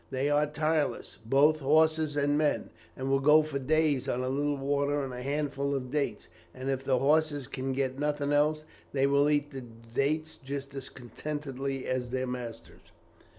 They are tireless, both horses and men, and will go for days on a little water and a handful of dates; and if the horses can get nothing else, they will eat the dates just as contentedly as their masters."